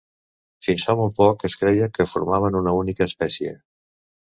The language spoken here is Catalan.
Fins fa molt poc, es creia que formaven una única espècie.